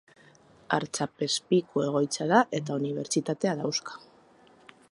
Artzapezpiku-egoitza da eta unibertsitatea dauzka.